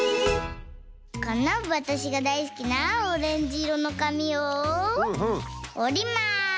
このわたしがだいすきなオレンジいろのかみをおります！